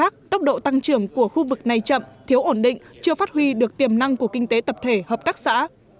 của khu vực này chậm thiếu ổn định chưa phát huy được tiềm năng của kinh tế tập thể hợp tác xã